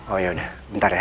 oh yaudah bentar ya